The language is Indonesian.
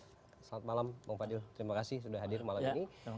selamat malam bang fadil terima kasih sudah hadir malam ini